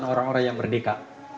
keputusan orang orang yang berdeka